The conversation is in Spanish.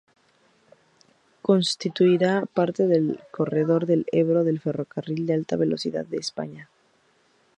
Constituirá parte del corredor del Ebro del ferrocarril de alta velocidad de España.